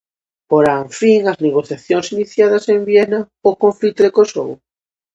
Porán fin as negociacións iniciadas en Viena ao conflito de Kosovo?